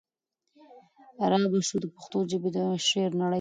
را به شو د پښتو ژبي د شعر نړۍ ته